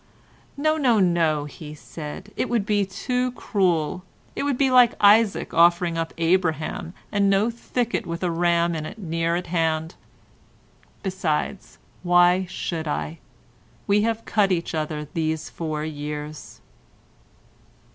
"No, no, no," said he, "it would be too cruel; it would be like Isaac offering up Abraham and no thicket with a ram in it near at hand. Besides why should I? We have cut each other these four years."